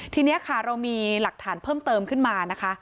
ทีนี้ค่ะเรามีหลักฐานเพิ่มเติมขึ้นมานะคะ